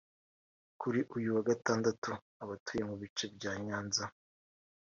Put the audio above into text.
Kuri uyu wa Gatatu abatuye mu bice bya Nyanza